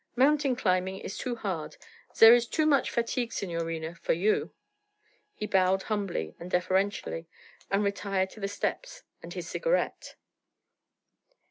Mountain climbing is too hard; zere is too much fatigue, signorina, for you.' He bowed humbly and deferentially, and retired to the steps and his cigarette.